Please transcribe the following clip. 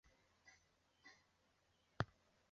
基蒂马特是加拿大不列颠哥伦比亚省的一个城镇。